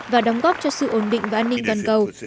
và đóng góp cho sự ổn định và an ninh toàn cầu